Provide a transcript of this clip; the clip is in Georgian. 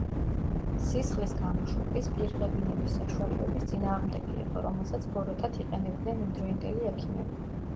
სისხლის გამოშვების, პირღებინების საშუალებების წინააღმდეგი იყო, რომელსაც ბოროტად იყენებდნენ იმდროინდელი ექიმები.